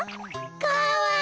かわいい！